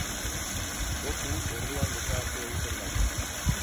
Goku orduan desagertu egiten da.